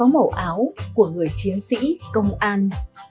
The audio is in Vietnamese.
báo của người chiến sĩ công an